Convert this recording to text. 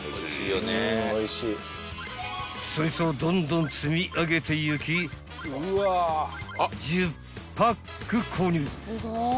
［そいつをどんどん積み上げていき１０パック購入］